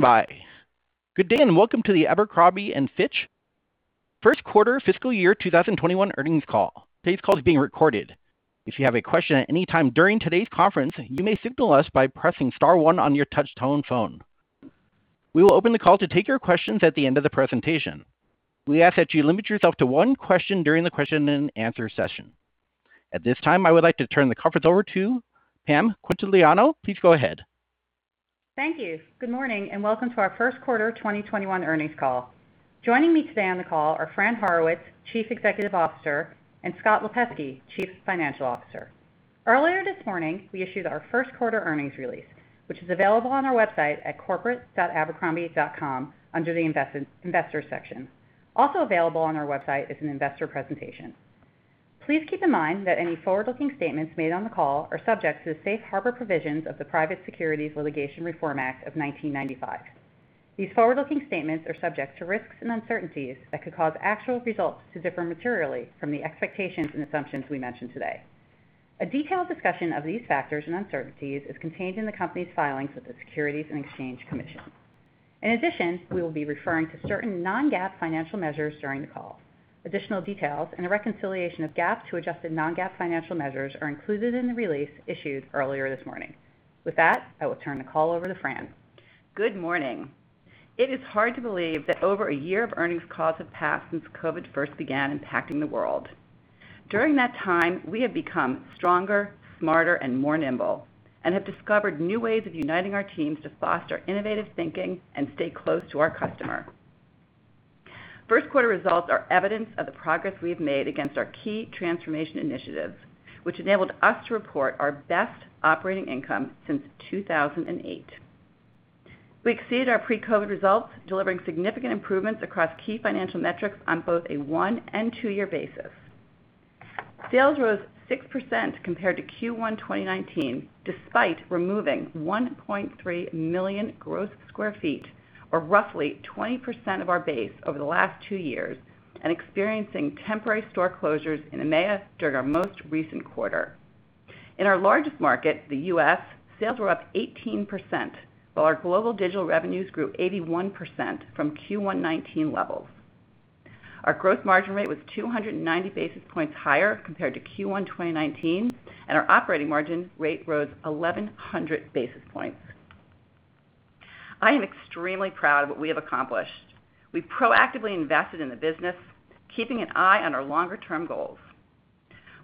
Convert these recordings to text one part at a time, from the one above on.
Good day, and welcome to the Abercrombie & Fitch first quarter fiscal year 2021 earnings call. Today's call is being recorded. If you have a question at any time during today's conference, you may signal us by pressing star one on your touch-tone phone. We will open the call to take your questions at the end of the presentation. We ask that you limit yourself to one question during the question-and-answer session. At this time, I would like to turn the conference over to Pam Quintiliano. Please go ahead. Thank you. Good morning, and welcome to our first quarter 2021 earnings call. Joining me today on the call are Fran Horowitz, Chief Executive Officer, and Scott Lipesky, Chief Financial Officer. Earlier this morning, we issued our first quarter earnings release, which is available on our website at corporate.abercrombie.com under the Investor section. Also available on our website is an investor presentation. Please keep in mind that any forward-looking statements made on the call are subject to the Safe Harbor provisions of the Private Securities Litigation Reform Act of 1995. These forward-looking statements are subject to risks and uncertainties that could cause actual results to differ materially from the expectations and assumptions we mention today. In addition, we will be referring to certain non-GAAP financial measures during the call. Additional details and a reconciliation of GAAP to adjusted non-GAAP financial measures are included in the release issued earlier this morning. With that, I will turn the call over to Fran. Good morning. It is hard to believe that over a year of earnings calls have passed since COVID first began impacting the world. During that time, we have become stronger, smarter, and more nimble and have discovered new ways of uniting our teams to foster innovative thinking and stay close to our customer. First quarter results are evidence of the progress we've made against our key transformation initiatives, which enabled us to report our best operating income since 2008. We exceeded our pre-COVID results, delivering significant improvements across key financial metrics on both a one and two-year basis. Sales rose 6% compared to Q1 2019, despite removing 1.3 million gross sq ft, or roughly 20% of our base over the last two years, and experiencing temporary store closures in EMEA during our most recent quarter. In our largest market, the U.S., sales were up 18%, while our global digital revenues grew 81% from Q1 2019 levels. Our gross margin rate was 290 basis points higher compared to Q1 2019, and our operating margin rate rose 1,100 basis points. I am extremely proud of what we have accomplished. We proactively invested in the business, keeping an eye on our longer-term goals.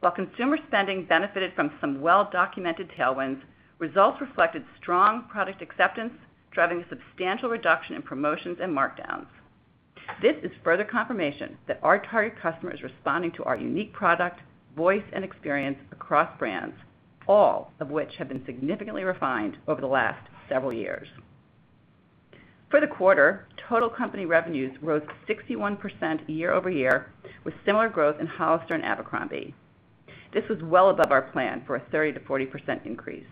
While consumer spending benefited from some well-documented tailwinds, results reflected strong product acceptance, driving a substantial reduction in promotions and markdowns. This is further confirmation that our target customer is responding to our unique product, voice, and experience across brands, all of which have been significantly refined over the last several years. For the quarter, total company revenues rose 61% year-over-year, with similar growth in Hollister and Abercrombie. This was well above our plan for a 30%-40% increase.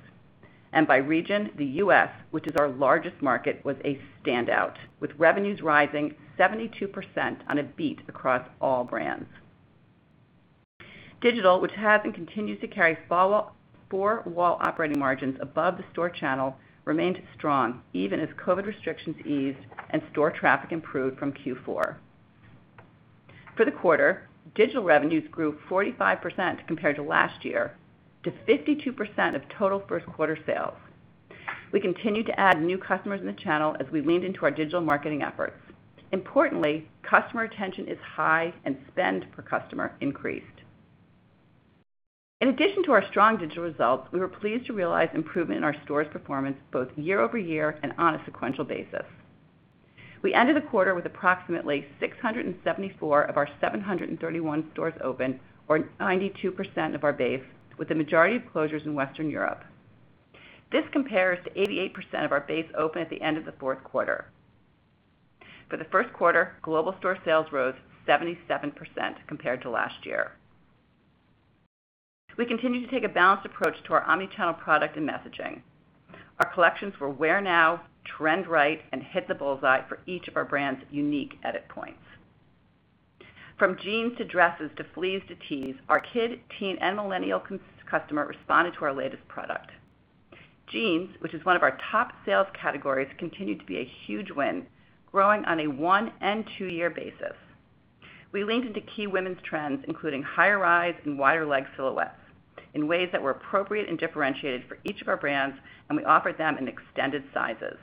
By region, the U.S., which is our largest market, was a standout, with revenues rising 72% on a beat across all brands. Digital, which had and continues to carry four-wall operating margins above the store channel, remained strong even as COVID restrictions eased and store traffic improved from Q4. For the quarter, digital revenues grew 45% compared to last year to 52% of total first quarter sales. We continued to add new customers in the channel as we leaned into our digital marketing efforts. Importantly, customer retention is high and spend-per-customer increased. In addition to our strong digital results, we were pleased to realize improvement in our store performance both year-over-year and on a sequential basis. We ended the quarter with approximately 674 of our 731 stores open, or 92% of our base, with the majority of closures in Western Europe. This compares to 88% of our base open at the end of the fourth quarter. For the first quarter, global store sales rose 77% compared to last year. We continue to take a balanced approach to our omnichannel product and messaging. Our collections were wear now, trend-right, and hit the bullseye for each of our brands' unique edit points. From jeans to dresses to fleeces to tees, our kid, teen, and millennial customer responded to our latest product. Jeans, which is one of our top sales categories, continued to be a huge win, growing on a one and two-year basis. We leaned into key women's trends, including high rise and wider leg silhouettes in ways that were appropriate and differentiated for each of our brands, and we offered them in extended sizes.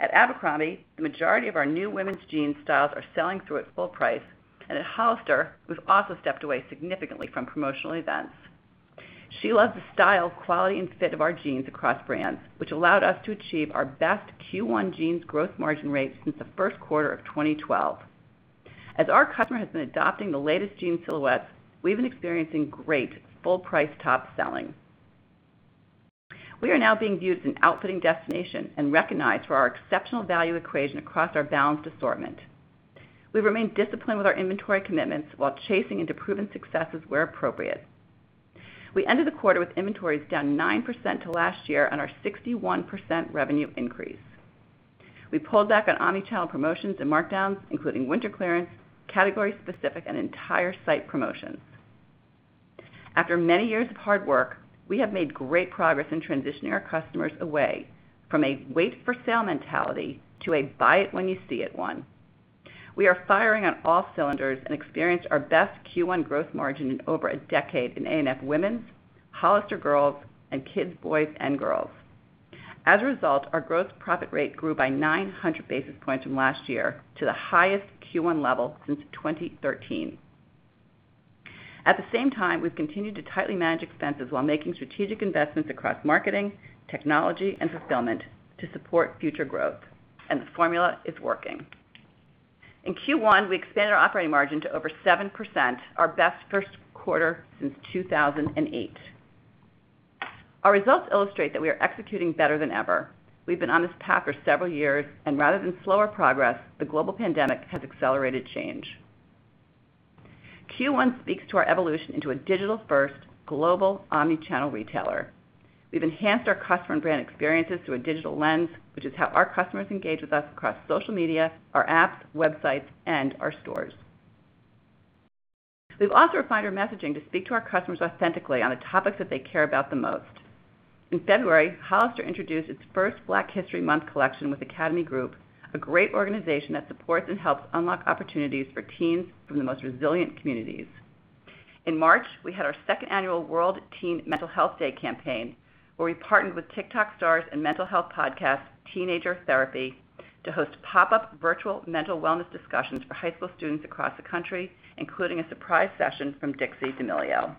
At Abercrombie, the majority of our new women's jeans styles are selling through at full price and at Hollister, we've also stepped away significantly from promotional events. She loves the style, quality, and fit of our jeans across brands, which allowed us to achieve our best Q1 jeans gross margin rate since the first quarter of 2012. As our customer has been adopting the latest jean silhouettes, we've been experiencing great full price top selling. We are now being viewed as an outfitting destination and recognized for our exceptional value equation across our balanced assortment. We remain disciplined with our inventory commitments while chasing into proven successes where appropriate. We ended the quarter with inventories down 9% to last year on our 61% revenue increase. We pulled back on omnichannel promotions and markdowns, including winter clearance, category-specific, and entire site promotions. After many years of hard work, we have made great progress in transitioning our customers away from a wait-for-sale mentality to a buy-it-when-you-see-it one. We are firing on all cylinders and experienced our best Q1 growth margin in over a decade in ANF Women's, Hollister Girls, and Kids' Boys and Girls. As a result, our gross profit rate grew by 900 basis points from last year to the highest Q1 level since 2013. At the same time, we've continued to tightly manage expenses while making strategic investments across marketing, technology, and fulfillment to support future growth, and the formula is working. In Q1, we expanded our operating margin to over 7%, our best first quarter since 2008. Our results illustrate that we are executing better than ever. We've been on this path for several years, and rather than slower progress, the global pandemic has accelerated change. Q1 speaks to our evolution into a digital-first global omnichannel retailer. We've enhanced our customer brand experiences through a digital lens, which is how our customers engage with us across social media, our apps, websites, and our stores. We've also refined our messaging to speak to our customers authentically on the topics that they care about the most. In February, Hollister introduced its first Black History Month collection with The Academy Group, a great organization that supports and helps unlock opportunities for teens from the most resilient communities. In March, we had our second Annual World Teen Mental Wellness Day campaign, where we partnered with TikTok stars and mental health podcast, Teenager Therapy, to host pop-up virtual mental wellness discussions for high school students across the country, including a surprise session from Dixie D'Amelio.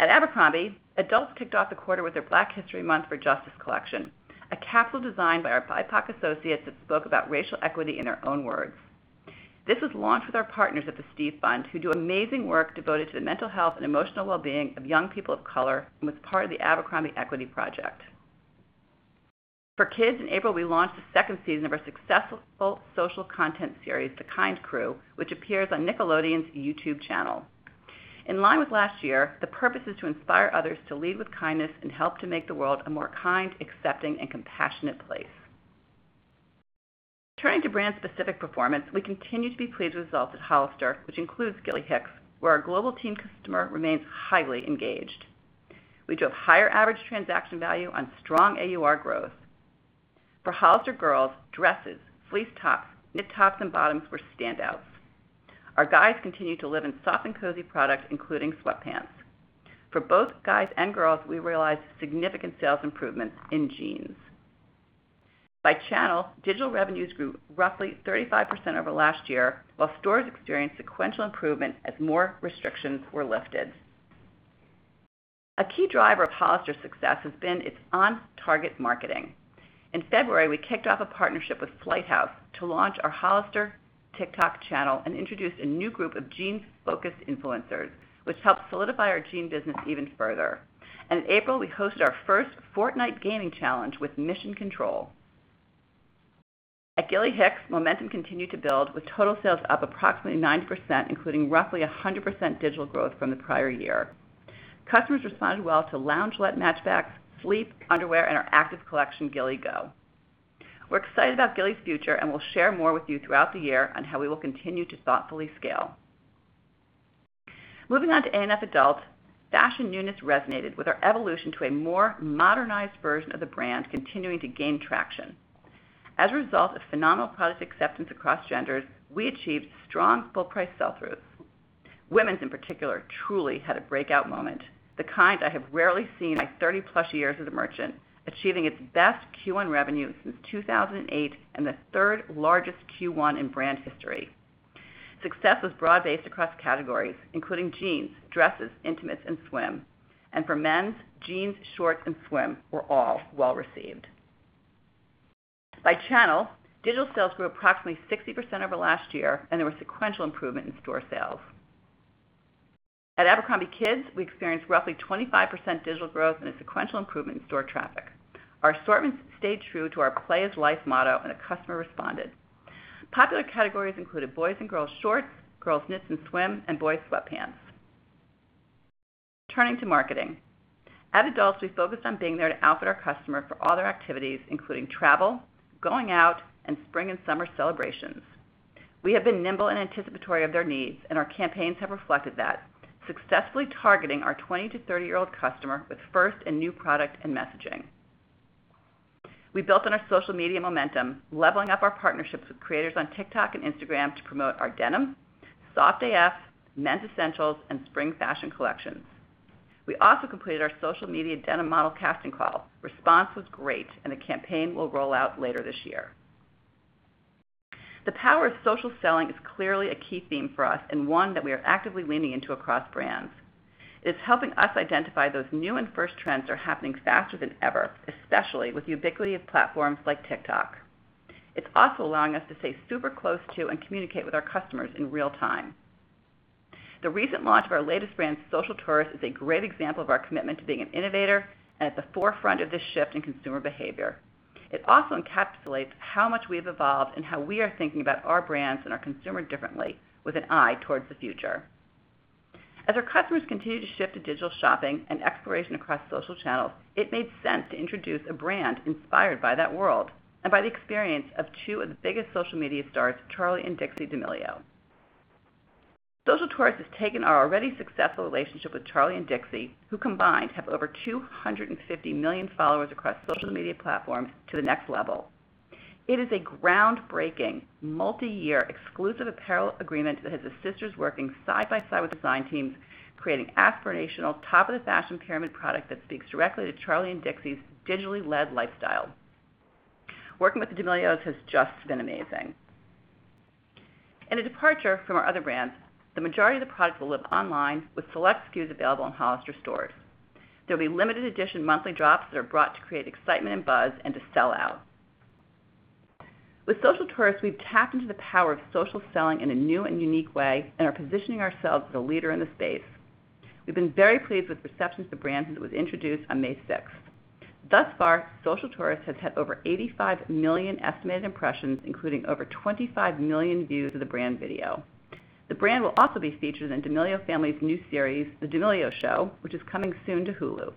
At Abercrombie, adults kicked off the quarter with their Black History Month for Justice collection, a capsule designed by our BIPOC associates that spoke about racial equity in our own words. This was launched with our partners at The Steve Fund, who do amazing work devoted to the mental health and emotional wellbeing of young people of color and was part of The Abercrombie Equity Project. For Kids, in April, we launched the second season of our successful social content series, The Kind Crew, which appears on Nickelodeon's YouTube channel. In line with last year, the purpose is to inspire others to lead with kindness and help to make the world a more kind, accepting, and compassionate place. Turning to brand-specific performance, we continue to be pleased with results at Hollister, which includes Gilly Hicks, where our global teen customer remains highly engaged. We drove higher average transaction value and strong AUR growth. For Hollister girls, dresses, fleece tops, knit tops, and bottoms were standouts. Our guys continue to live in soft and cozy products, including sweatpants. For both guys and girls, we realized significant sales improvements in jeans. By channel, digital revenues grew roughly 35% over last year, while stores experienced sequential improvement as more restrictions were lifted. A key driver of Hollister's success has been its on-target marketing. In February, we kicked off a partnership with Playhouse to launch our Hollister TikTok channel and introduced a new group of jeans-focused influencers, which helped solidify our jeans business even further. In April, we hosted our first Fortnite gaming challenge with Mission Control. At Gilly Hicks, momentum continued to build with total sales up approximately 9%, including roughly 100% digital growth from the prior year. Customers responded well to loungewear, match stacks, fleece, underwear, and our active collection, Gilly Go. We're excited about Gilly's future, and we'll share more with you throughout the year on how we will continue to thoughtfully scale. Moving on to ANF adult, fashion units resonated with our evolution to a more modernized version of the brand continuing to gain traction. As a result of phenomenal product acceptance across genders, we achieved strong full price sell-throughs. Women's, in particular, truly had a breakout moment, the kind I have rarely seen in my 30-plus years as a merchant, achieving its best Q1 revenue since 2008 and the third-largest Q1 in brand history. Success was broad-based across categories, including jeans, dresses, intimates, and swim. For Men's, jeans, shorts, and swim were all well-received. By channel, digital sales grew approximately 60% over last year, and there was sequential improvement in store sales. At Abercrombie kids, we experienced roughly 25% digital growth and a sequential improvement in store traffic. Our assortments stayed true to our play is life motto, and the customer responded. Popular categories included Boys' and Girls' shorts, Girls' knits and swim, and Boys' sweatpants. Turning to marketing. At adults, we focused on being there for our outdoor customer for all their activities, including travel, going out, and spring and summer celebrations. We have been nimble and anticipatory of their needs, and our campaigns have reflected that, successfully targeting our 20- to 30-year-old customer with first and new product and messaging. We built on our social media momentum, leveling up our partnerships with creators on TikTok and Instagram to promote our Denim, Soft AF, Men's Essentials, and Spring Fashion collections. We also completed our social media denim model casting call. Response was great. The campaign will roll out later this year. The power of social selling is clearly a key theme for us and one that we are actively leaning into across brands. It's helping us identify those new and first trends are happening faster than ever, especially with the ubiquity of platforms like TikTok. It's also allowing us to stay super close to and communicate with our customers in real-time. The recent launch of our latest brand, Social Tourist, is a great example of our commitment to being an innovator and at the forefront of this shift in consumer behavior. It also encapsulates how much we've evolved and how we are thinking about our brands and our consumers differently with an eye towards the future. As our customers continue to shift to digital shopping and exploration across social channels, it made sense to introduce a brand inspired by that world and by the experience of two of the biggest social media stars, Charli and Dixie D'Amelio. Social Tourist has taken our already successful relationship with Charli and Dixie, who combined have over 250 million followers across social media platforms, to the next level. It is a groundbreaking, multi-year exclusive apparel agreement that has the sisters working side by side with design teams, creating aspirational, top-of-the-fashion pyramid product that speaks directly to Charli and Dixie's digitally led lifestyle. Working with the D'Amelios has just been amazing. In a departure from our other brands, the majority of the products will live online with select SKUs available in Hollister stores. There'll be limited edition monthly drops that are brought to create excitement and buzz and to sell out. With Social Tourist, we've tapped into the power of social selling in a new and unique way and are positioning ourselves as a leader in the space. We've been very pleased with perceptions of the brand since it was introduced on May 6th. Thus far, Social Tourist has had over 85 million estimated impressions, including over 25 million views of the brand video. The brand will also be featured in D'Amelio Family's new series, The D'Amelio Show, which is coming soon to Hulu.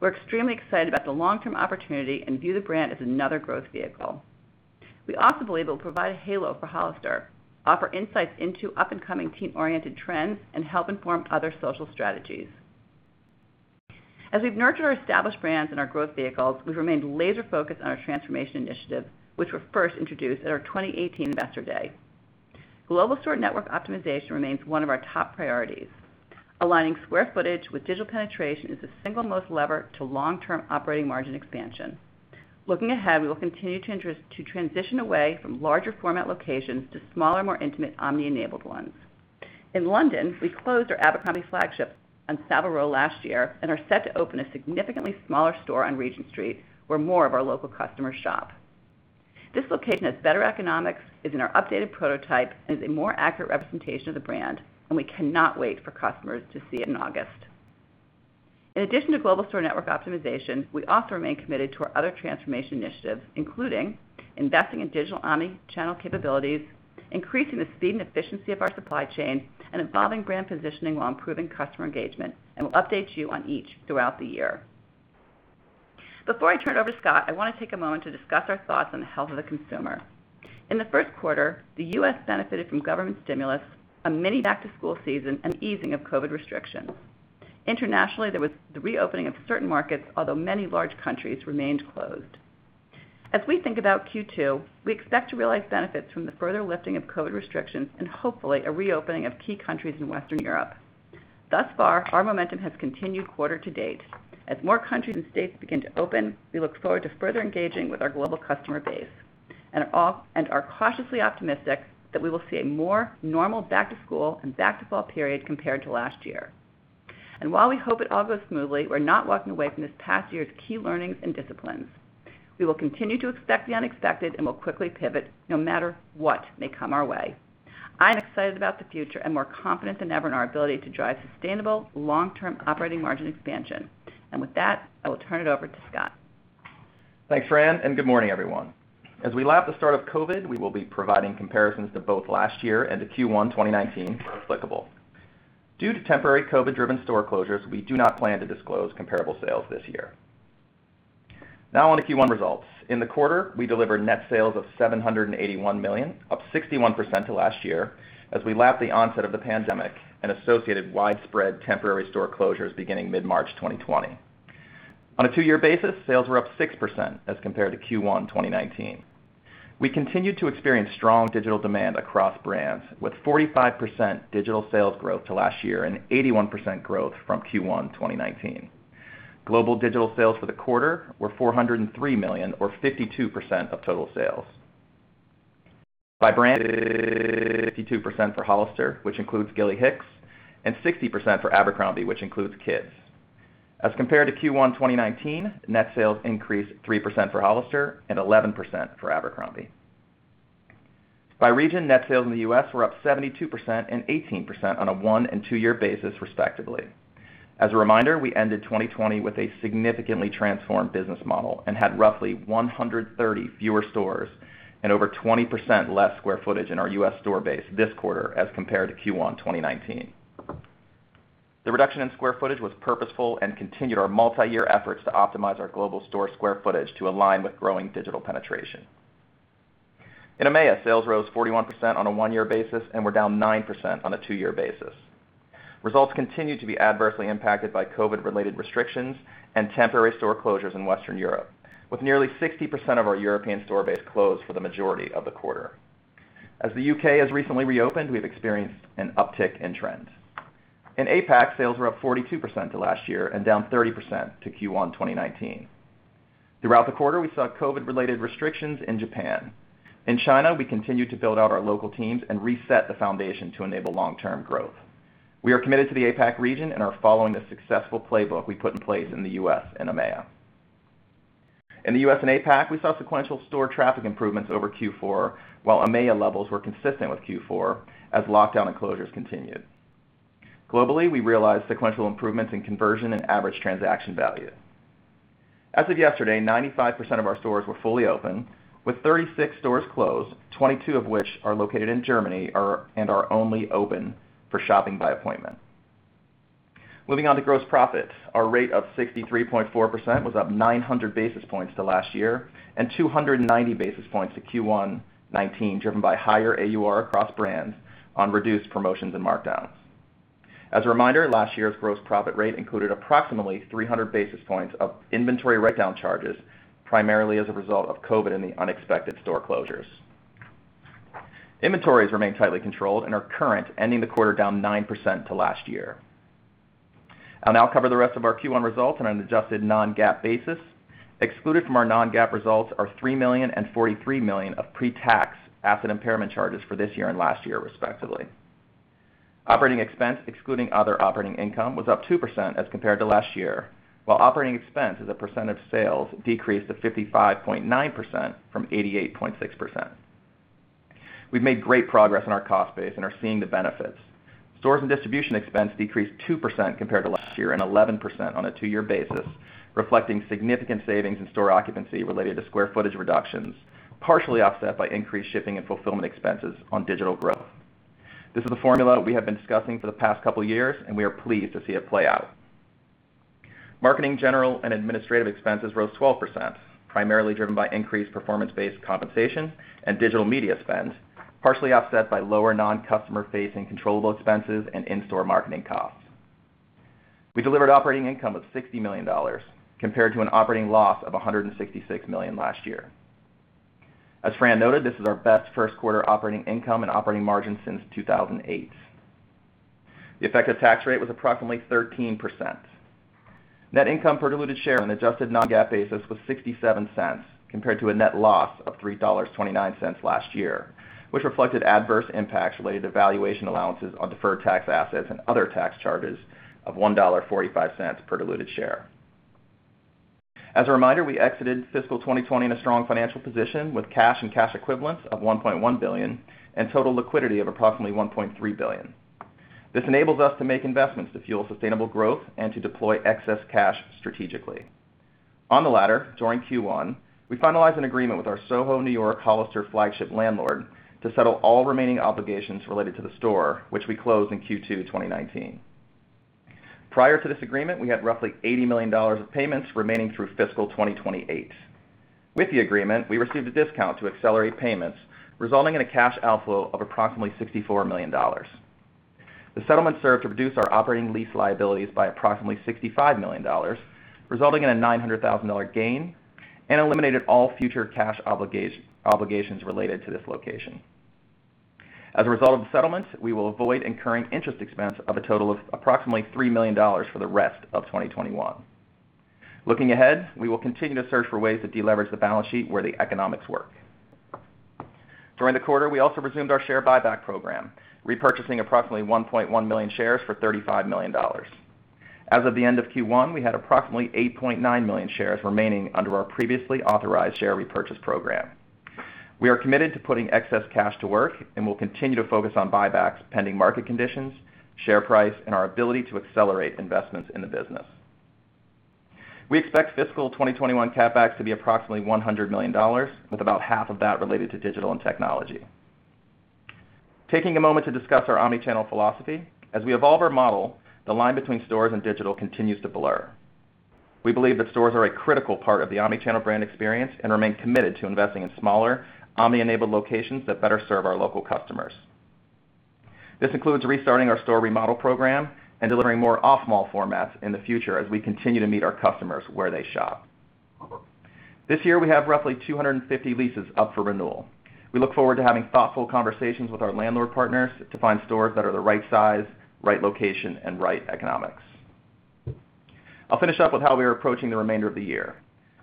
We're extremely excited about the long-term opportunity and view the brand as another growth vehicle. We also believe it will provide a halo for Hollister, offer insights into up-and-coming teen-oriented trends, and help inform other social strategies. As we've nurtured our established brands and our growth vehicles, we've remained laser-focused on our transformation initiatives, which were first introduced at our 2018 Investor Day. Global store network optimization remains one of our top priorities. Aligning square footage with digital penetration is the single most lever to long-term operating margin expansion. Looking ahead, we will continue to transition away from larger format locations to smaller, more intimate omni-enabled ones. In London, we closed our Abercrombie flagship on Savile Row last year and are set to open a significantly smaller store on Regent Street where more of our local customers shop. This location has better economics, is in our updated prototype, and is a more accurate representation of the brand, and we cannot wait for customers to see it in August. In addition to global store network optimization, we also remain committed to our other transformation initiatives, including investing in digital omnichannel capabilities, increasing the speed and efficiency of our supply chain, and evolving brand positioning while improving customer engagement. We'll update you on each throughout the year. Before I turn it over to Scott, I want to take a moment to discuss our thoughts on the health of the consumer. In the first quarter, the U.S. benefited from government stimulus, a mini back-to-school season, and easing of COVID restrictions. Internationally, there was the reopening of certain markets, although many large countries remained closed. As we think about Q2, we expect to realize benefits from the further lifting of COVID restrictions and hopefully a reopening of key countries in Western Europe. Thus far, our momentum has continued quarter-to-date. As more countries and states begin to open, we look forward to further engaging with our global customer base and are cautiously optimistic that we will see a more normal back-to-school and back-to-fall period compared to last year. While we hope it all goes smoothly, we're not walking away from this past year's key learnings and disciplines. We will continue to expect the unexpected and will quickly pivot no matter what may come our way. I am excited about the future and more confident than ever in our ability to drive sustainable long-term operating margin expansion. With that, I will turn it over to Scott. Thanks, Fran. Good morning, everyone. As we lap the start of COVID, we will be providing comparisons to both last year and to Q1 2019 where applicable. Due to temporary COVID-driven store closures, we do not plan to disclose comparable sales this year. Now on to Q1 results. In the quarter, we delivered net sales of $781 million, up 61% to last year as we lap the onset of the pandemic and associated widespread temporary store closures beginning mid-March 2020. On a two-year basis, sales were up 6% as compared to Q1 2019. We continued to experience strong digital demand across brands with 45% digital sales growth to last year and 81% growth from Q1 2019. Global digital sales for the quarter were $403 million or 52% of total sales. By brand, 52% for Hollister, which includes Gilly Hicks, and 60% for Abercrombie, which includes Kids. As compared to Q1 2019, net sales increased 3% for Hollister and 11% for Abercrombie. By region, net sales in the U.S. were up 72% and 18% on a one- and two-year basis respectively. As a reminder, we ended 2020 with a significantly transformed business model and had roughly 130 fewer stores and over 20% less square footage in our U.S. store base this quarter as compared to Q1 2019. The reduction in square footage was purposeful and continued our multi-year efforts to optimize our global store square footage to align with growing digital penetration. In EMEA, sales rose 41% on a one-year basis and were down 9% on a two-year basis. Results continued to be adversely impacted by COVID-related restrictions and temporary store closures in Western Europe, with nearly 60% of our European store base closed for the majority of the quarter. As the U.K. has recently reopened, we've experienced an uptick in trend. In APAC, sales were up 42% to last year and down 30% to Q1 2019. Throughout the quarter, we saw COVID-related restrictions in Japan. In China, we continued to build out our local teams and reset the foundation to enable long-term growth. We are committed to the APAC region and are following the successful playbook we put in place in the U.S. and EMEA. In the U.S. and APAC, we saw sequential store traffic improvements over Q4, while EMEA levels were consistent with Q4 as lockdown closures continued. Globally, we realized sequential improvements in conversion and average transaction value. As of yesterday, 95% of our stores were fully open, with 36 stores closed, 22 of which are located in Germany and are only open for shopping by appointment. Moving on to gross profit, our rate of 63.4% was up 900 basis points to last year and 290 basis points to Q1 2019, driven by higher AUR across brands on reduced promotions and markdowns. As a reminder, last year's gross profit rate included approximately 300 basis points of inventory write-down charges, primarily as a result of COVID and the unexpected store closures. Inventories remain tightly controlled and are current, ending the quarter down 9% to last year. I'll now cover the rest of our Q1 results on an adjusted non-GAAP basis. Excluded from our non-GAAP results are $3 million and $43 million of pre-tax asset impairment charges for this year and last year, respectively. Operating expense, excluding other operating income, was up 2% as compared to last year, while operating expense as a percent of sales decreased to 55.9% from 88.6%. We've made great progress on our cost base and are seeing the benefits. Stores and distribution expense decreased 2% compared to last year and 11% on a two-year basis, reflecting significant savings in store occupancy related to square footage reductions, partially offset by increased shipping and fulfillment expenses on digital growth. This is a formula we have been discussing for the past couple of years, and we are pleased to see it play out. Marketing, general, and administrative expenses rose 12%, primarily driven by increased performance-based compensation and digital media spend, partially offset by lower non-customer-facing controllable expenses and in-store marketing costs. We delivered operating income of $60 million, compared to an operating loss of $166 million last year. As Fran noted, this is our best first quarter operating income and operating margin since 2008. The effective tax rate was approximately 13%. Net income per diluted share on an adjusted non-GAAP basis was $0.67, compared to a net loss of $3.29 last year, which reflected adverse impacts related to valuation allowances on deferred tax assets and other tax charges of $1.45 per diluted share. As a reminder, we exited fiscal 2020 in a strong financial position with cash and cash equivalents of $1.1 billion and total liquidity of approximately $1.3 billion. This enables us to make investments to fuel sustainable growth and to deploy excess cash strategically. On the latter, during Q1, we finalized an agreement with our Soho, N.Y. Hollister flagship landlord to settle all remaining obligations related to the store, which we closed in Q2 2019. Prior to this agreement, we had roughly $80 million of payments remaining through fiscal 2028. With the agreement, we received a discount to accelerate payments, resulting in a cash outflow of approximately $54 million. The settlement served to reduce our operating lease liabilities by approximately $65 million, resulting in a $900,000 gain, and eliminated all future cash obligations related to this location. As a result of the settlement, we will avoid incurring interest expense of a total of approximately $3 million for the rest of 2021. Looking ahead, we will continue to search for ways to deleverage the balance sheet where the economics work. During the quarter, we also resumed our share buyback program, repurchasing approximately 1.1 million shares for $35 million. As of the end of Q1, we had approximately 8.9 million shares remaining under our previously authorized share repurchase program. We are committed to putting excess cash to work and will continue to focus on buybacks pending market conditions, share price, and our ability to accelerate investments in the business. We expect fiscal 2021 CapEx to be approximately $100 million, with about half of that related to digital and technology. Taking a moment to discuss our omnichannel philosophy, as we evolve our model, the line between stores and digital continues to blur. We believe that stores are a critical part of the omnichannel brand experience and remain committed to investing in smaller, omnichannel-enabled locations that better serve our local customers. This includes restarting our store remodel program and delivering more off-mall formats in the future as we continue to meet our customers where they shop. This year, we have roughly 250 leases up for renewal. We look forward to having thoughtful conversations with our landlord partners to find stores that are the right size, right location, and right economics. I'll finish up with how we are approaching the remainder of the year.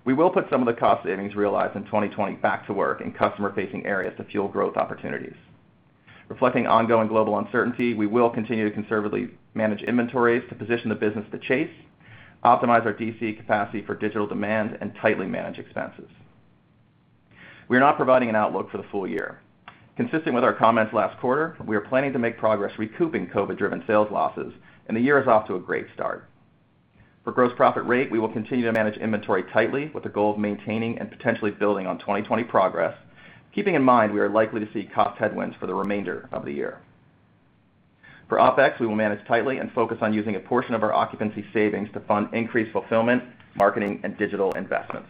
We will put some of the cost savings realized in 2020 back to work in customer-facing areas to fuel growth opportunities. Reflecting ongoing global uncertainty, we will continue to conservatively manage inventories to position the business to chase, optimize our DC capacity for digital demand, and tightly manage expenses. We are not providing an outlook for the full year. Consistent with our comments last quarter, we are planning to make progress recouping COVID-driven sales losses, and the year is off to a great start. For gross profit rate, we will continue to manage inventory tightly with the goal of maintaining and potentially building on 2020 progress, keeping in mind we are likely to see cost headwinds for the remainder of the year. For OpEx, we will manage tightly and focus on using a portion of our occupancy savings to fund increased fulfillment, marketing, and digital investments.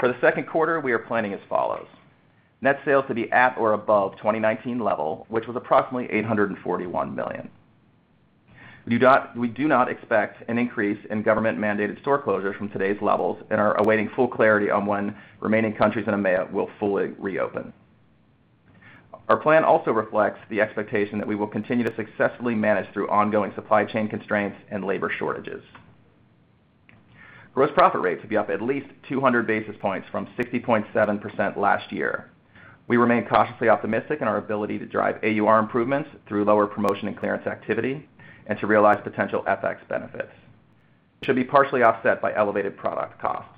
For the second quarter, we are planning as follows. Net sales to be at or above 2019 level, which was approximately $841 million. We do not expect an increase in government-mandated store closures from today's levels and are awaiting full clarity on when remaining countries in EMEA will fully reopen. Our plan also reflects the expectation that we will continue to successfully manage through ongoing supply chain constraints and labor shortages. Gross profit rate to be up at least 200 basis points from 60.7% last year. We remain cautiously optimistic in our ability to drive AUR improvements through lower promotion and clearance activity, and to realize potential FX benefits. Should be partially offset by elevated product costs.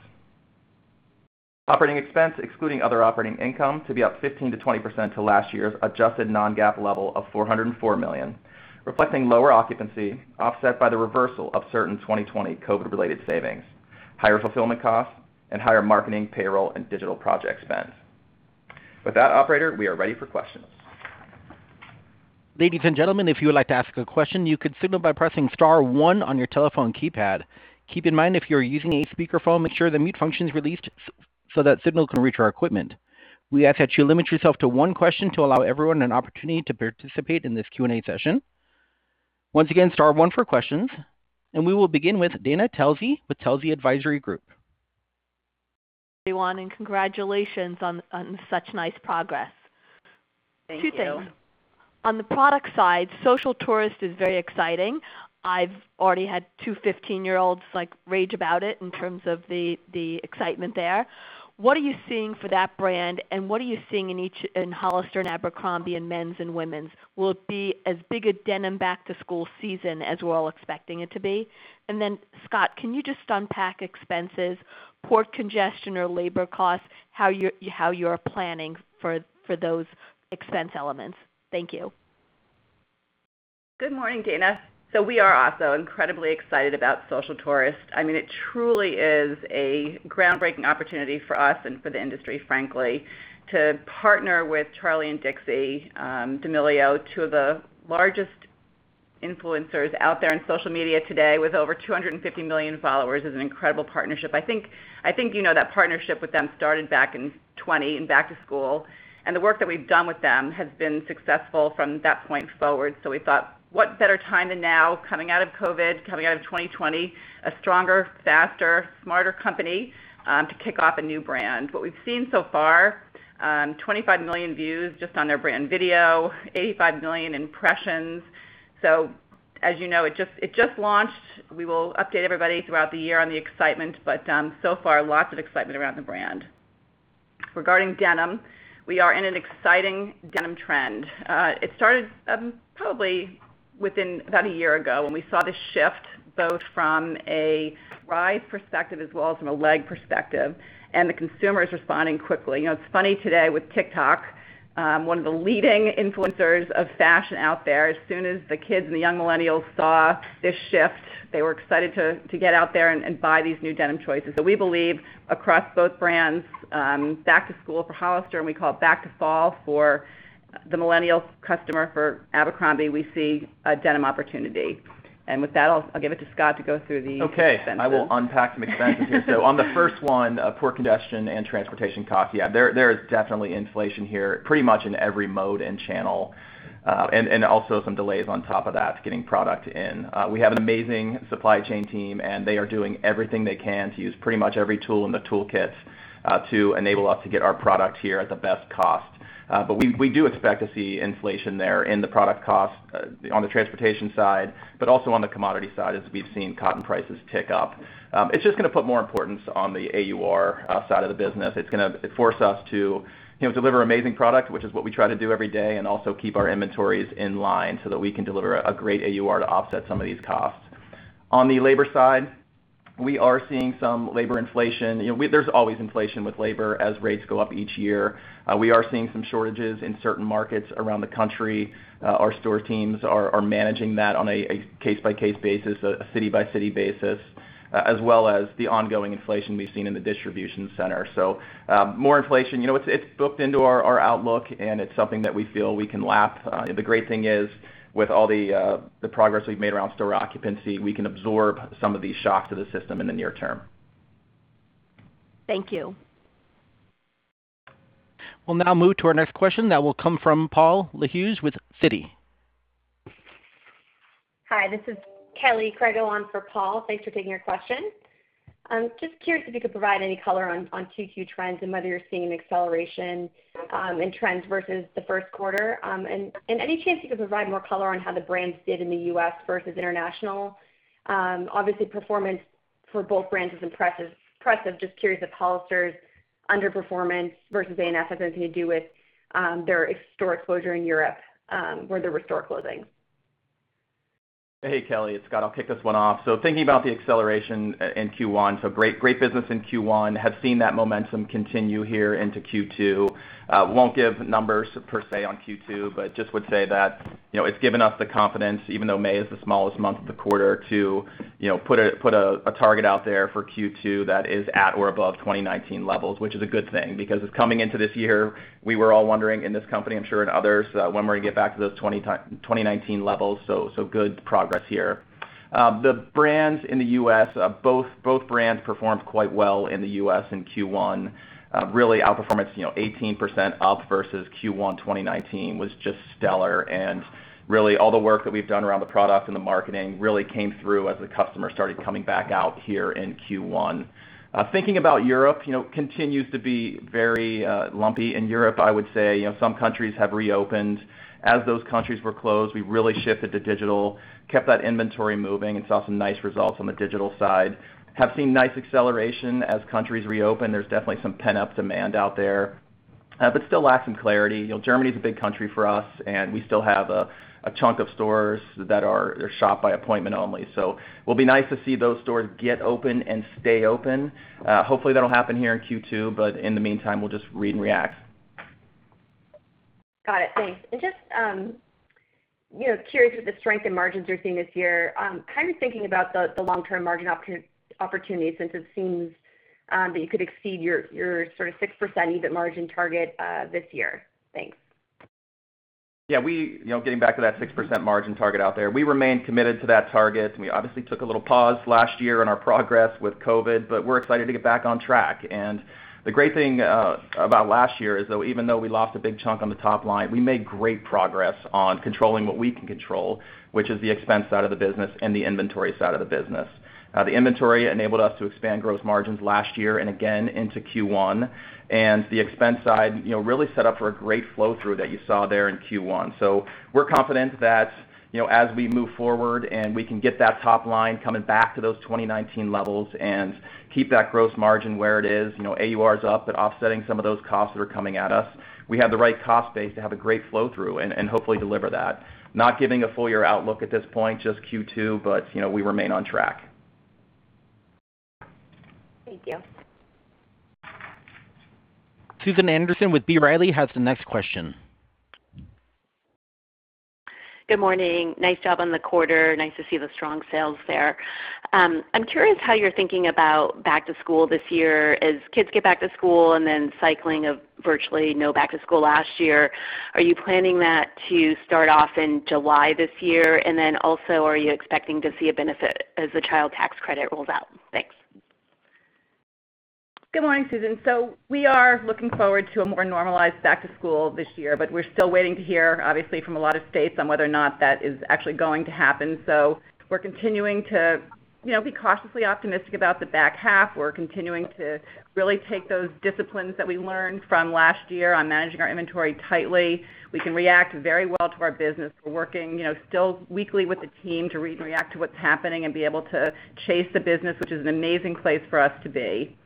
Operating expense, excluding other operating income, to be up 15%-20% to last year's adjusted non-GAAP level of $404 million, reflecting lower occupancy offset by the reversal of certain 2020 COVID-related savings, higher fulfillment costs, and higher marketing, payroll, and digital project spend. With that operator, we are ready for questions. Ladies and gentlemen, if you would like to ask a question, you can signal by pressing star one on your telephone keypad. Keep in mind, if you're using a speakerphone, make sure the mute function is released so that signal can reach our equipment. We ask that you limit yourself to one question to allow everyone an opportunity to participate in this Q&A session. Once again, star one for questions. We will begin with Dana Telsey with Telsey Advisory Group. Everyone, congratulations on such nice progress. Thank you. Two things. On the product side, Social Tourist is very exciting. I've already had two 15-year-olds rage about it in terms of the excitement there. What are you seeing for that brand, what are you seeing in Hollister and Abercrombie in men's and women's? Will it be as big a denim back-to-school season as we're all expecting it to be? Scott, can you just unpack expenses, port congestion or labor costs, how you're planning for those expense elements? Thank you. Good morning, Dana. We are also incredibly excited about Social Tourist. It truly is a groundbreaking opportunity for us and for the industry, frankly, to partner with Charli and Dixie D'Amelio, two of the largest influencers out there on social media today with over 250 million followers, is an incredible partnership. I think you know that partnership with them started back in 2020 in back-to-school, and the work that we've done with them has been successful from that point forward. We thought, what better time than now, coming out of COVID, coming out of 2020, a stronger, faster, smarter company, to kick off a new brand. What we've seen so far, 25 million views just on our brand video, 85 million impressions. As you know, it just launched. We will update everybody throughout the year on the excitement, but so far, lots of excitement around the brand. Regarding denim, we are in an exciting denim trend. It started probably about a year ago when we saw the shift both from a rise perspective as well as from a leg perspective, and the consumer is responding quickly. It's funny today with TikTok, one of the leading influencers of fashion out there, as soon as the kids and the young millennials saw this shift, they were excited to get out there and buy these new denim choices. We believe across both brands, back to school for Hollister, and we call it back-to-fall for the millennial customer for Abercrombie, we see a denim opportunity. With that, I'll give it to Scott to go through the expenses. I will unpack some expenses. On the first one, port congestion and transportation costs. There is definitely inflation here, pretty much in every mode and channel, and also some delays on top of that getting product in. We have an amazing supply chain team, and they are doing everything they can to use pretty much every tool in the toolkit to enable us to get our product here at the best cost. We do expect to see inflation there in the product cost on the transportation side, but also on the commodity side, as we've seen cotton prices tick up. It's just going to put more importance on the AUR side of the business. It's going to force us to deliver amazing product, which is what we try to do every day, and also keep our inventories in line so that we can deliver a great AUR to offset some of these costs. On the labor side, we are seeing some labor inflation. There's always inflation with labor as rates go up each year. We are seeing some shortages in certain markets around the country. Our store teams are managing that on a case-by-case basis, a city-by-city basis, as well as the ongoing inflation we've seen in the distribution center. More inflation. It's built into our outlook, and it's something that we feel we can lap. The great thing is, with all the progress we've made around store occupancy, we can absorb some of these shocks to the system in the near term. Thank you. We'll now move to our next question that will come from Paul Lejuez with Citi. Hi, this is Kelly Crago on for Paul. Thanks for taking our question. Just curious if you could provide any color on Q2 trends and whether you're seeing an acceleration in trends versus the first quarter. Any chance you could provide more color on how the brands did in the U.S. versus international? Obviously, performance for both brands is impressive. Just curious if Hollister's underperformance versus ANF has anything to do with their store closure in Europe when they were store closing. Hey, Kelly. Scott, I'll kick this one off. Thinking about the acceleration in Q1, so great business in Q1. We have seen that momentum continue here into Q2. We won't give numbers per se on Q2, but just would say that it's given us the confidence, even though May is the smallest month of the quarter, to put a target out there for Q2 that is at or above 2019 levels, which is a good thing because coming into this year, we were all wondering in this company, I'm sure in others, when we're going to get back to those 2019 levels. Good progress here. The brands in the U.S., both brands performed quite well in the U.S. in Q1. Really, outperformance 18% up versus Q1 2019 was just stellar. Really all the work that we've done around the product and the marketing really came through as the customer started coming back out here in Q1. Thinking about Europe, continues to be very lumpy in Europe, I would say. Some countries have reopened. As those countries were closed, we really shifted to digital, kept that inventory moving, and saw some nice results on the digital side. Have seen nice acceleration as countries reopen. There's definitely some pent-up demand out there, but still lacking clarity. Germany is a big country for us. We still have a chunk of stores that are shop by appointment only. Will be nice to see those stores get open and stay open. Hopefully, that'll happen here in Q2. In the meantime, we'll just read and react. Got it. Thanks. Just curious with the strength in margins you're seeing this year, thinking about the long-term margin opportunity since it seems that you could exceed your 6% EBIT margin target this year. Thanks. Yeah. Getting back to that 6% margin target out there. We remain committed to that target, and we obviously took a little pause last year in our progress with COVID, but we're excited to get back on track. The great thing about last year is though even though we lost a big chunk on the top line, we made great progress on controlling what we can control, which is the expense side of the business and the inventory side of the business. Now, the inventory enabled us to expand gross margins last year and again into Q1. The expense side really set up for a great flow-through that you saw there in Q1. We're confident that as we move forward and we can get that top line coming back to those 2019 levels and keep that gross margin where it is, AUR's up and offsetting some of those costs that are coming at us. We have the right cost base to have a great flow-through and hopefully deliver that. Not giving a full year outlook at this point, just Q2, but we remain on track. Thank you. Susan Anderson with B. Riley has the next question. Good morning. Nice job on the quarter. Nice to see the strong sales there. I'm curious how you're thinking about back to school this year as kids get back to school and cycling of virtually no back to school last year. Are you planning that to start off in July this year? Also, are you expecting to see a benefit as the Child Tax Credit rolls out? Thanks. Good morning, Susan. We are looking forward to a more normalized back-to-school this year, but we're still waiting to hear, obviously, from a lot of states on whether or not that is actually going to happen. We're continuing to be cautiously optimistic about the back half. We're continuing to really take those disciplines that we learned from last year on managing our inventory tightly. We can react very well to our business. We're working still weekly with the team to react to what's happening and be able to chase the business, which is an amazing place for us to be.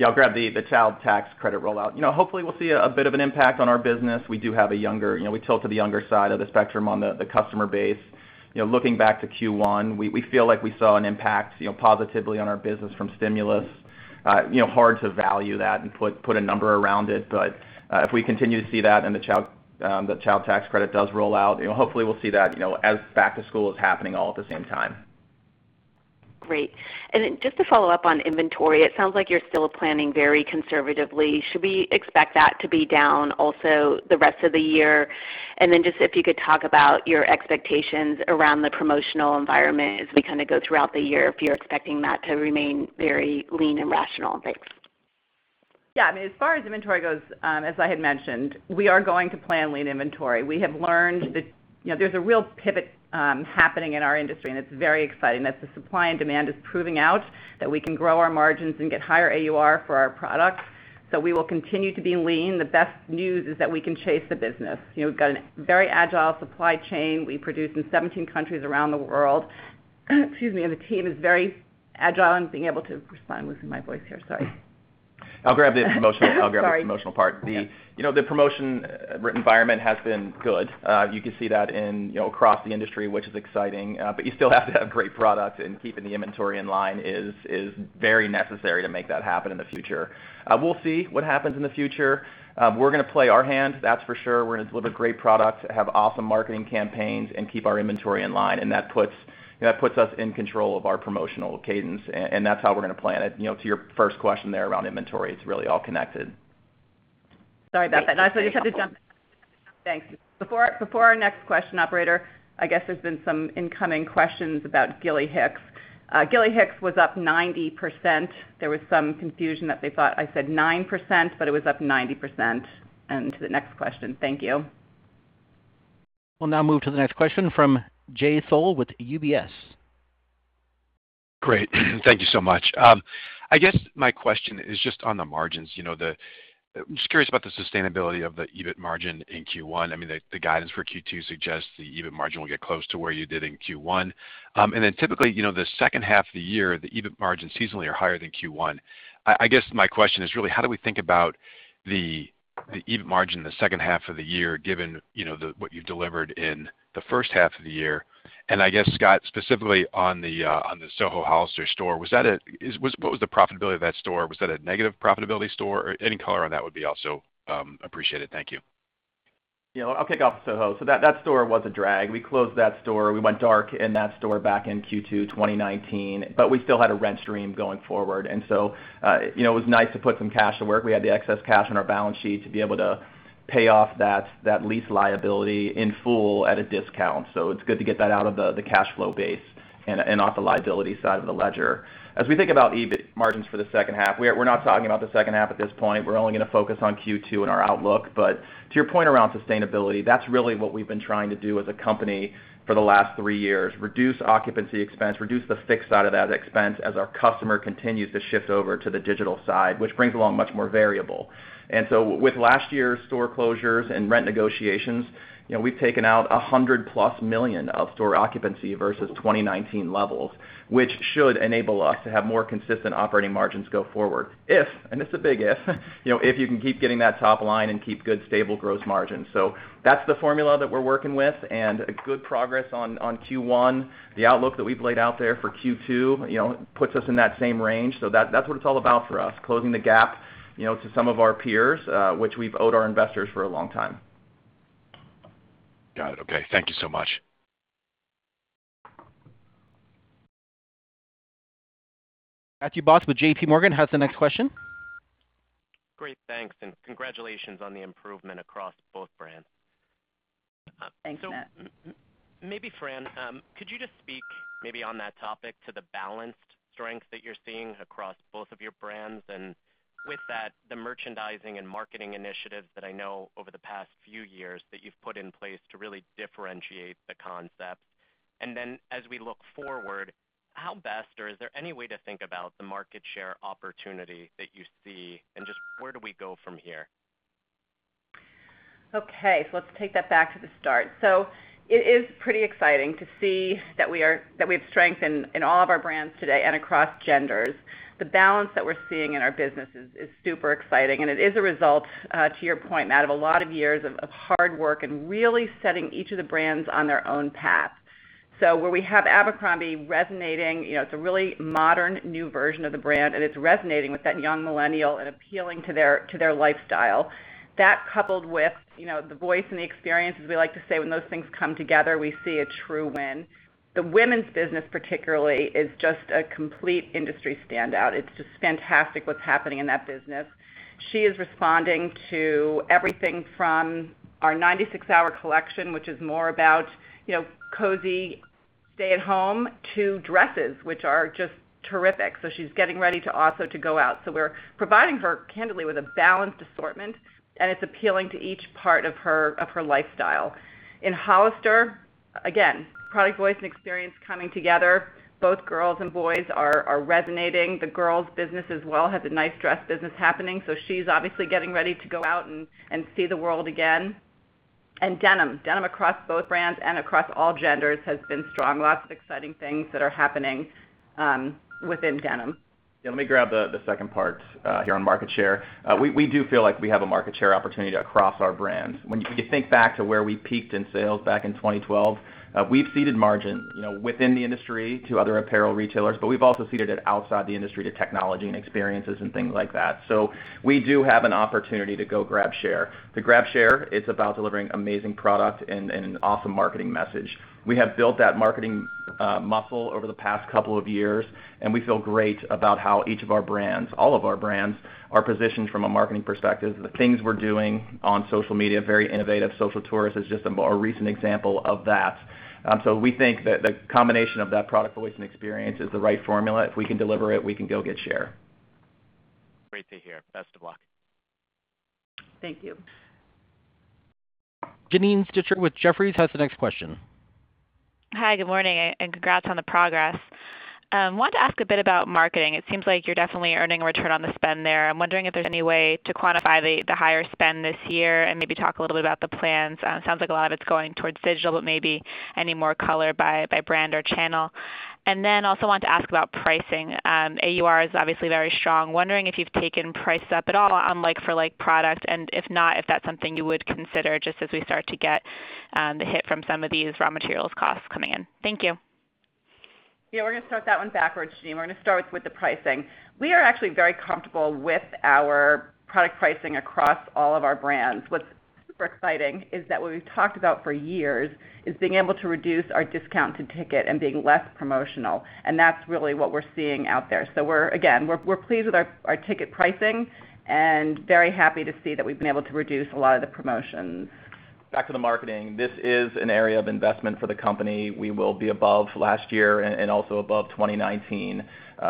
Yeah, I'll grab the Child Tax Credit rollout. Hopefully, we'll see a bit of an impact on our business. We tilt to the younger side of the spectrum on the customer base. Looking back to Q1, we feel like we saw an impact positively on our business from stimulus. Hard to value that and put a number around it. If we continue to see that and the Child Tax Credit does roll out, hopefully, we'll see that as back to school is happening all at the same time. Great. Just to follow up on inventory, it sounds like you're still planning very conservatively. Should we expect that to be down also the rest of the year? Just if you could talk about your expectations around the promotional environment as we go throughout the year, if you're expecting that to remain very lean and rational. Thanks. Yeah. I mean, as far as inventory goes, as I had mentioned, we are going to plan lean inventory. We have learned that there's a real pivot happening in our industry, and it's very exciting. The supply and demand is proving out that we can grow our margins and get higher AUR for our products. We will continue to be lean. The best news is that we can chase the business. We've got a very agile supply chain. We produce in 17 countries around the world. Excuse me. The team is very agile and being able to I'm losing my voice here. Sorry. I'll grab the promotional part. The promotion environment has been good. You can see that across the industry, which is exciting. You still have to have great products, and keeping the inventory in line is very necessary to make that happen in the future. We'll see what happens in the future. We're going to play our hand, that's for sure. We're going to deliver great products, have awesome marketing campaigns, and keep our inventory in line, and that puts us in control of our promotional cadence, and that's how we're going to plan it. To your first question there around inventory, it's really all connected. Sorry about that. Thanks. Before our next question, operator, I guess there's been some incoming questions about Gilly Hicks. Gilly Hicks was up 90%. There was some confusion that they thought I said 9%, but it was up 90%. To the next question. Thank you. We'll now move to the next question from Jay Sole with UBS. Great. Thank you so much. I guess my question is just on the margins. I'm just curious about the sustainability of the EBIT margin in Q1. I mean, the guidance for Q2 suggests the EBIT margin will get close to where you did in Q1. Typically, the second half of the year, the EBIT margin seasonally are higher than Q1. I guess my question is really how do we think about the EBIT margin in the second half of the year, given what you delivered in the first half of the year? I guess, Scott, specifically on the Soho Hollister store. What was the profitability of that store? Was that a negative profitability store? Any color on that would be also appreciated. Thank you. I'll kick off Soho. That store was a drag. We closed that store. We went dark in that store back in Q2 2019, but we still had a rent stream going forward. It was nice to put some cash to work. We had the excess cash on our balance sheet to be able to pay off that lease liability in full at a discount. It's good to get that out of the cash flow base and off the liability side of the ledger. As we think about EBIT margins for the second half, we're not talking about the second half at this point. We're only going to focus on Q2 and our outlook. To your point around sustainability, that's really what we've been trying to do as a company for the last three years, reduce occupancy expense, reduce the fixed side of that expense as our customer continues to shift over to the digital side, which brings along much more variable. With last year's store closures and rent negotiations, we've taken out $100+ million of store occupancy versus 2019 levels, which should enable us to have more consistent operating margins go forward. If, and it's a big if we can keep getting that top line and keep good, stable gross margins. That's the formula that we're working with, and good progress on Q1. The outlook that we've laid out there for Q2, it puts us in that same range. That's what it's all about for us, closing the gap to some of our peers which we've owed our investors for a long time. Got it. Okay. Thank you so much. Matthew Boss with JPMorgan has the next question. Great. Thanks. Congratulations on the improvement across both brands. Thank you. Maybe Fran, could you just speak maybe on that topic to the balanced strengths that you're seeing across both of your brands, and with that, the merchandising and marketing initiatives that I know over the past few years that you've put in place to really differentiate the concepts. And then as we look forward, how best, or is there any way to think about the market share opportunity that you see, and just where do we go from here? Let's take that back to the start. It is pretty exciting to see that we have strength in all of our brands today and across genders. The balance that we're seeing in our business is super exciting, and it is a result, to your point, out of a lot of years of hard work and really setting each of the brands on their own path. Where we have Abercrombie resonating, it's a really modern new version of the brand, and it's resonating with that young millennial and appealing to their lifestyle. That coupled with the voice and the experiences, we like to say when those things come together, we see a true win. The Women's business particularly is just a complete industry standout. It's just fantastic what's happening in that business. She is responding to everything from our 96 Hour Collection, which is more about cozy stay-at-home, to dresses, which are just terrific. She's getting ready to also go out. We're providing her, candidly, with a balanced assortment, and it's appealing to each part of her lifestyle. In Hollister, again, product voice and experience coming together. Both girls and boys are resonating. The Girls business as well has a nice dress business happening. She's obviously getting ready to go out and see the world again. Denim. Denim across both brands and across all genders has been strong. Lots of exciting things that are happening within denim. Let me grab the second part here on market share. We do feel like we have a market share opportunity across our brands. When you think back to where we peaked in sales back in 2012, we've ceded margin within the industry to other apparel retailers, but we've also ceded it outside the industry to technology and experiences and things like that. We do have an opportunity to go grab share. To grab share, it's about delivering amazing product and an awesome marketing message. We have built that marketing muscle over the past couple of years, and we feel great about how each of our brands, all of our brands, are positioned from a marketing perspective. The things we're doing on social media, very innovative. Social Tourist is just a more recent example of that. We think that the combination of that product voice and experience is the right formula. If we can deliver it, we can go get share. Great to hear. Thanks a lot. Thank you. Janine Stichter with Jefferies has the next question. Hi, good morning, and congrats on the progress. Wanted to ask a bit about marketing. It seems like you're definitely earning a return on the spend there. I'm wondering if there's any way to quantify the higher spend this year, and maybe talk a little bit about the plans. Sounds like a lot is going towards digital, but maybe any more color by brand or channel. Then also wanted to ask about pricing. AUR is obviously very strong. Wondering if you've taken price up at all on like-for-like products, and if not, if that's something you would consider just as we start to get the hit from some of these raw material costs coming in. Thank you. Yeah, we're going to start that one backwards, Janine. We're going to start with the pricing. We are actually very comfortable with our product pricing across all of our brands. What's super exciting is that what we've talked about for years is being able to reduce our discount to ticket and being less promotional, and that's really what we're seeing out there. We're again pleased with our ticket pricing and very happy to see that we've been able to reduce a lot of the promotions. Back to the marketing, this is an area of investment for the company. We will be above last year and also above 2019.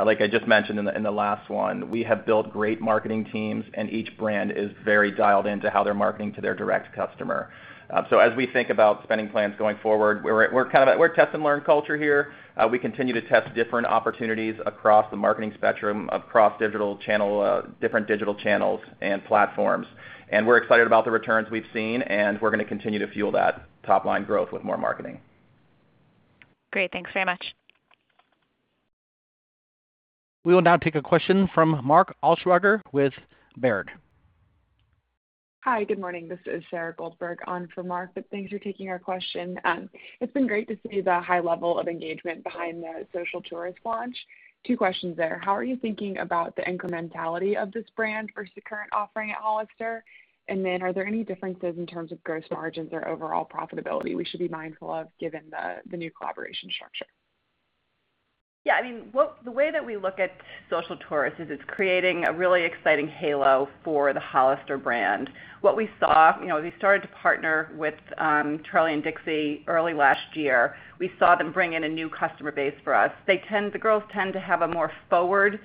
Like I just mentioned in the last one, we have built great marketing teams, and each brand is very dialed into how they're marketing to their direct customer. As we think about spending plans going forward, we're a test-and-learn culture here. We continue to test different opportunities across the marketing spectrum, across different digital channels and platforms. We're excited about the returns we've seen, and we're going to continue to fuel that top-line growth with more marketing. Great. Thanks very much. We will now take a question from Mark Altschwager with Baird. Hi. Good morning. This is Sarah Goldberg on for Mark, thanks for taking our question. It's been great to see the high level of engagement behind the Social Tourist launch. Two questions there. How are you thinking about the incrementality of this brand versus the current offering at Hollister? Are there any differences in terms of gross margins or overall profitability we should be mindful of given the new collaboration structure? Yeah. I mean, the way that we look at Social Tourist is it's creating a really exciting halo for the Hollister brand. What we saw, we started to partner with Charli and Dixie early last year. We saw them bring in a new customer base for us. The girls tend to have a more forward.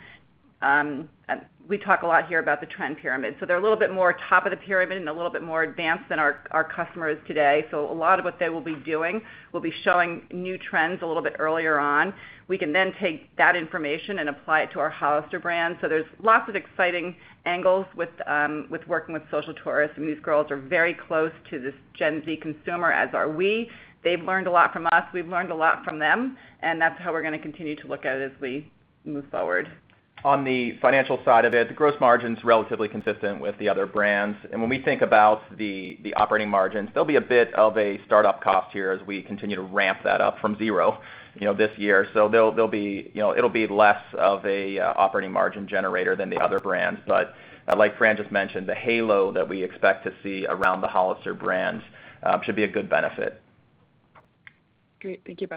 We talk a lot here about the trend pyramid. They're a little bit more top of the pyramid and a little bit more advanced than our customers today. A lot of what they will be doing will be showing new trends a little bit earlier on. We can take that information and apply it to our Hollister brand. There's lots of exciting angles with working with Social Tourist. These girls are very close to this Gen Z consumer, as are we. They've learned a lot from us, we've learned a lot from them, and that's how we're going to continue to look at it as we move forward. On the financial side of it, the gross margin's relatively consistent with the other brands. When we think about the operating margins, there'll be a bit of a startup cost here as we continue to ramp that up from zero this year. It'll be less of an operating margin generator than the other brands. Like Fran just mentioned, the halo that we expect to see around the Hollister brand should be a good benefit. Great. Thank you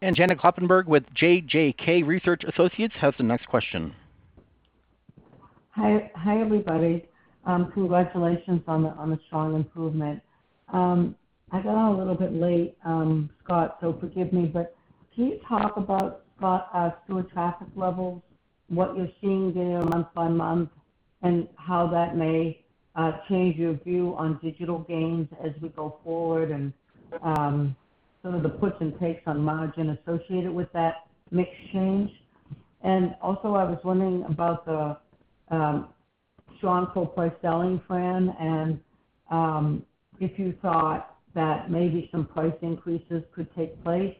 both. Janet Kloppenburg with JJK Research Associates has the next question. Hi, everybody. Congratulations on the strong improvement. I got on a little bit late, Scott, so forgive me, but can you talk about store traffic levels, what you're seeing there month-by-month, and how that may change your view on digital gains as we go forward and some of the puts and takes on margin associated with that mix change? Also, I was wondering about the strong full-price selling plan, and if you thought that maybe some price increases could take place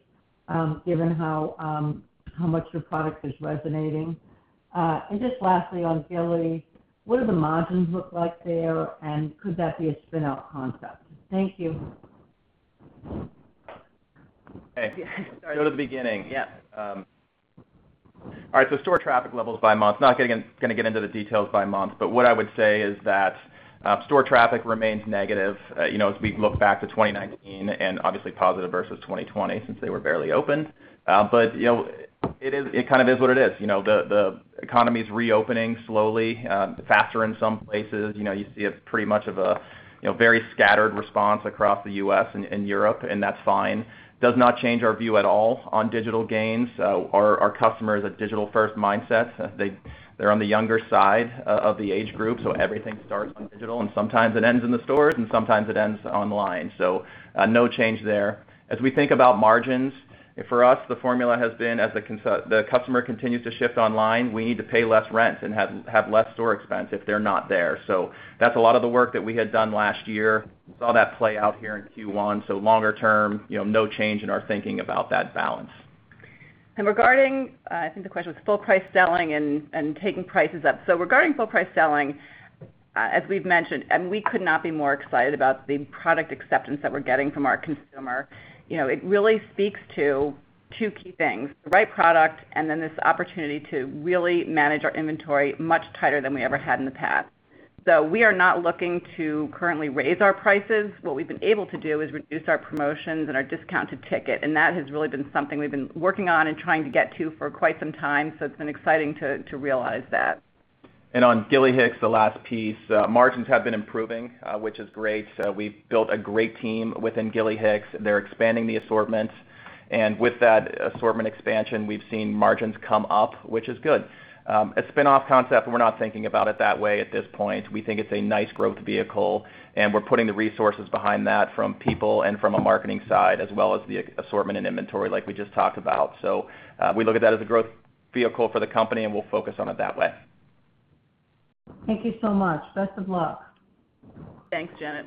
given how much the product is resonating. Just lastly, on Gilly, what do the margins look like there, and could that be a spin-out concept? Thank you. Start at the beginning. Yeah. All right. Store traffic levels by month, not going to get into the details by month, what I would say is that store traffic remains negative. As we look back to 2019, obviously positive versus 2020 since they were barely open. It is what it is. The economy's reopening slowly, faster in some places. You see it's pretty much a very scattered response across the U.S. and Europe, that's fine. Does not change our view at all on digital gains. Our customers have digital-first mindsets. They're on the younger side of the age group, everything starts digital, sometimes it ends in the stores, sometimes it ends online. No change there. As we think about margins, for us, the formula has been as the customer continues to shift online, we need to pay less rent and have less store expense if they're not there. That's a lot of the work that we had done last year. We saw that play out here in Q1. Longer term, no change in our thinking about that balance. Regarding, I think the question is full-price selling and taking prices up. Regarding full-price selling, as we've mentioned, and we could not be more excited about the product acceptance that we're getting from our consumer. It really speaks to two key things, the right product, and then this opportunity to really manage our inventory much tighter than we ever had in the past. We are not looking to currently raise our prices. What we've been able to do is reduce our promotions and our discounted ticket, and that has really been something we've been working on and trying to get to for quite some time. It's been exciting to realize that. On Gilly Hicks, the last piece, margins have been improving which is great. We've built a great team within Gilly Hicks, and they're expanding the assortments. With that assortment expansion, we've seen margins come up, which is good. A spin-off concept, we're not thinking about it that way at this point. We think it's a nice growth vehicle, and we're putting the resources behind that from people and from a marketing side, as well as the assortment and inventory like we just talked about. We look at that as a growth vehicle for the company, and we'll focus on it that way. Thank you so much. Best of luck. Thanks, Janet.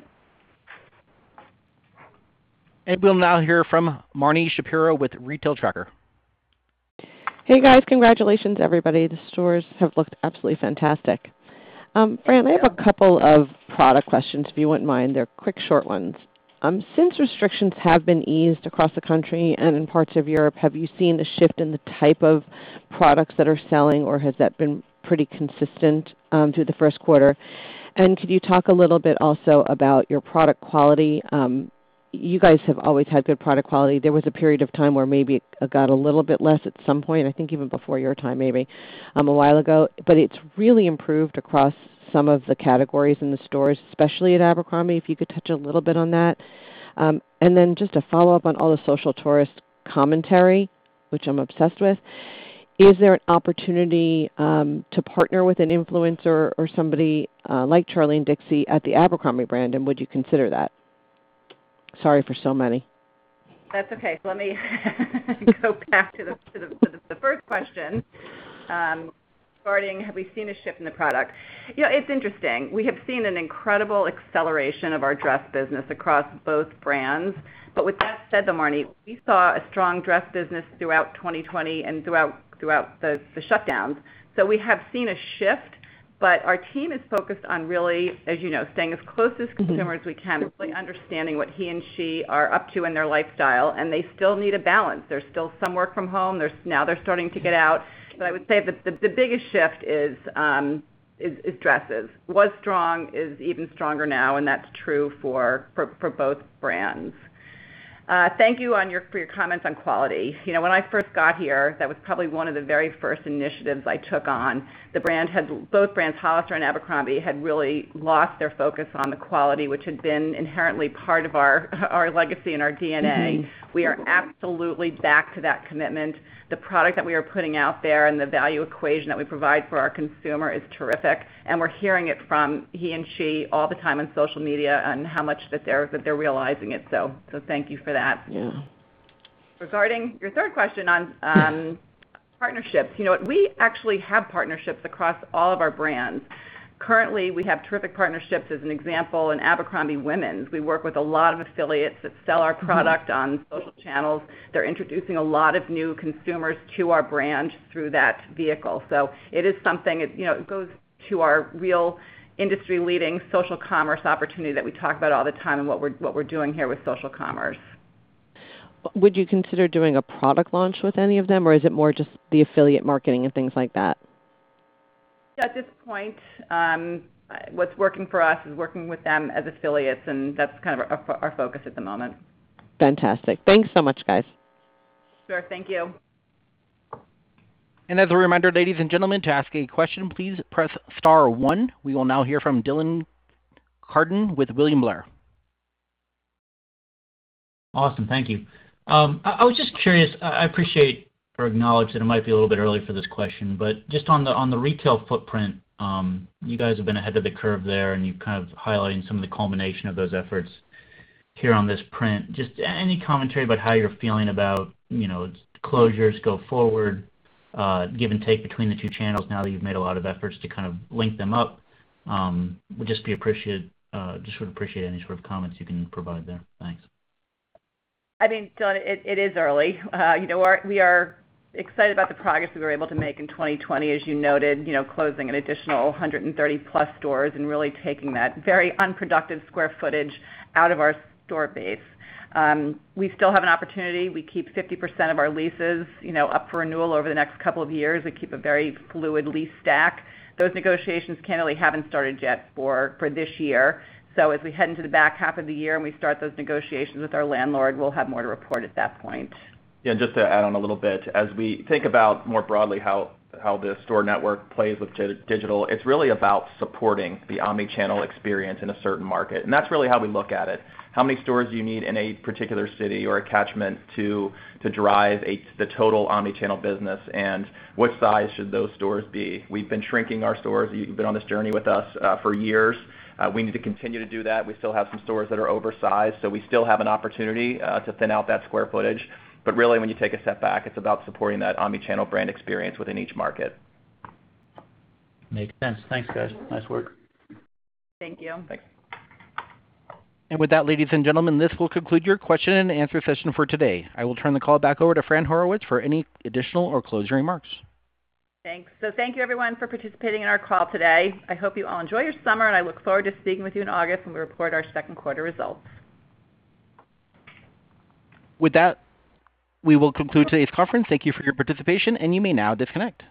We'll now hear from Marni Shapiro with Retail Tracker. Hey, guys. Congratulations, everybody. The stores have looked absolutely fantastic. Fran, I have a couple of product questions, if you wouldn't mind. They're quick, short ones. Since restrictions have been eased across the country and in parts of Europe, have you seen a shift in the type of products that are selling, or has that been pretty consistent through the first quarter? Could you talk a little bit also about your product quality? You guys have always had good product quality. There was a period of time where maybe it got a little bit less at some point, I think even before your time, maybe, a while ago. It's really improved across some of the categories in the stores, especially at Abercrombie, if you could touch a little bit on that. Then just a follow-up on all the Social Tourist commentary, which I'm obsessed with. Is there an opportunity to partner with an influencer or somebody like Charli D'Amelio and Dixie D'Amelio at the Abercrombie brand, and would you consider that? Sorry for so many. That's okay. Let me go back to the first question, regarding have we seen a shift in the product. Yeah, it's interesting. We have seen an incredible acceleration of our dress business across both brands. With that said, Marni, we saw a strong dress business throughout 2020 and throughout the shutdowns. We have seen a shift, but our team is focused on really, as you know, staying as close to consumers we can, really understanding what he and she are up to in their lifestyle, and they still need a balance. They're still some work from home. Now they're starting to get out. I would say that the biggest shift is dresses. What was strong is even stronger now, and that's true for both brands. Thank you for your comments on quality. When I first got here, that was probably one of the very first initiatives I took on. Both brands, Hollister and Abercrombie, had really lost their focus on the quality, which had been inherently part of our legacy and our DNA. We are absolutely back to that commitment. The product that we are putting out there and the value equation that we provide for our consumer is terrific, and we're hearing it from he and she all the time on social media on how much they're realizing it. Thank you for that. Regarding your third question on partnerships, we actually have partnerships across all of our brands. Currently, we have terrific partnerships, as an example, in Abercrombie Women's. We work with a lot of affiliates that sell our product on social channels. They're introducing a lot of new consumers to our brand through that vehicle. It is something, it goes to our real industry-leading social commerce opportunity that we talk about all the time and what we're doing here with social commerce. Would you consider doing a product launch with any of them, or is it more just the affiliate marketing and things like that? At this point, what's working for us is working with them as affiliates, and that's kind of our focus at the moment. Fantastic. Thanks so much, guys. Sure. Thank you. As a reminder, ladies and gentlemen, to ask a question, please press star one. We will now hear from Dylan Carden with William Blair. Awesome. Thank you. I was just curious. I appreciate or acknowledge that it might be a little bit early for this question, but just on the retail footprint, you guys have been ahead of the curve there, and you've kind of highlighted some of the culmination of those efforts here on this print. Just any commentary about how you're feeling about closures go forward, give and take between the two channels now that you've made a lot of efforts to kind of link them up. Just would appreciate any sort of comments you can provide there. Thanks. I think, Dylan, it is early. We are excited about the progress we were able to make in 2020, as you noted, closing an additional 130 plus stores and really taking that very unproductive square footage out of our store base. We still have an opportunity. We keep 50% of our leases up for renewal over the next couple of years. We keep a very fluid lease stack. Those negotiations, candidly, haven't started yet for this year. As we head into the back half of the year and we start those negotiations with our landlord, we'll have more to report at that point. Yeah, just to add on a little bit, as we think about more broadly how the store network plays with digital, it's really about supporting the omnichannel experience in a certain market. That's really how we look at it. How many stores do you need in a particular city or catchment to drive the total omnichannel business, and what size should those stores be? We've been shrinking our stores. You've been on this journey with us for years. We need to continue to do that. We still have some stores that are oversized. We still have an opportunity to thin out that square footage. Really, when you take a step back, it's about supporting that omnichannel brand experience within each market. Makes sense. Thanks, guys. Nice work. Thank you. Thanks. With that, ladies and gentlemen, this will conclude your question and answer session for today. I will turn the call back over to Fran Horowitz for any additional or closing remarks. Thanks. Thank you everyone for participating in our call today. I hope you all enjoy your summer, and I look forward to speaking with you in August when we report our second quarter results. With that, we will conclude today's conference. Thank you for your participation, and you may now disconnect.